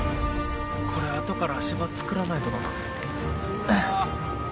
これあとから足場作らないとだな落ちるなよ